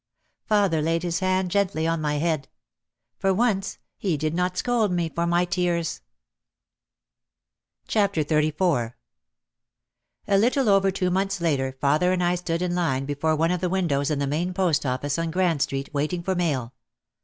Father laid his hand gently on my head. For once he did not scold me for my tears. 140 OUT OF THE SHADOW XXXIV A little over two months later father and I stood in line before one of the windows in the main post office on Grand Street, waiting for mail.